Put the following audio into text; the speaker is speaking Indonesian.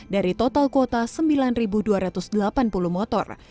dari total kuota sembilan dua ratus delapan puluh motor